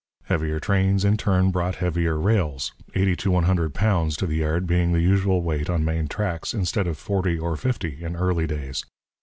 Heavier trains in turn brought heavier rails, eighty to one hundred pounds to the yard being the usual weight on main tracks, instead of forty or fifty in early days.